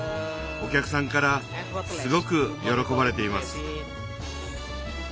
お客さんからすごく喜ばれています。